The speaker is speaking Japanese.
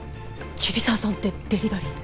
桐沢さんってデリバリーの？